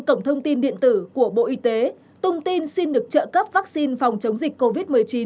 cổng thông tin điện tử của bộ y tế tung tin xin được trợ cấp vaccine phòng chống dịch covid một mươi chín